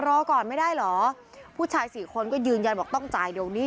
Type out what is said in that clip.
รอก่อนไม่ได้เหรอผู้ชายสี่คนก็ยืนยันบอกต้องจ่ายเดี๋ยวนี้